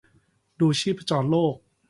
ดูชีพจรโลก